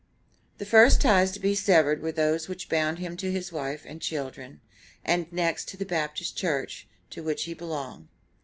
The first ties to be severed were those which bound him to his wife and children, and next to the Baptist Church, to which he belonged.